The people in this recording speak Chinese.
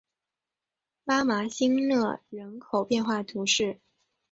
拉芒辛讷人口变化图示